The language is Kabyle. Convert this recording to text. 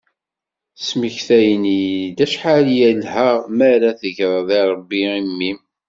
Smektayen-iyi-d acḥal yelha mi ara tegreḍ irebbi i mmi-m.